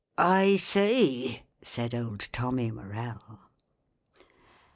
"I see," said old TOMMY MORELL.